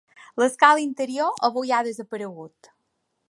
L'escala interior avui ha desaparegut.